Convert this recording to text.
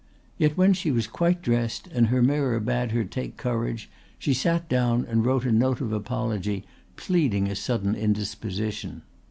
Yet when she was quite dressed and her mirror bade her take courage she sat down and wrote a note of apology pleading a sudden indisposition.